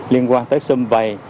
liên quan tới xâm vầy